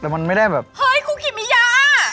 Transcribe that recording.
แต่มันไม่ได้แบบเฮ้ยคุกิมิยา